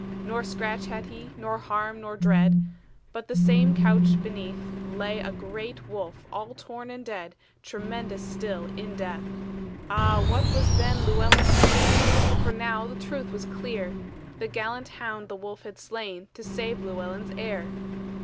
Nor scratch had he, nor harm, nor dread, But the same couch beneath Lay a great wolf, all torn and dead, Tremendous still in death! Ah, what was then Llewellyn's pain! For now the truth was clear; The gallant hound the wolf had slain, To save Llewellyn's heir.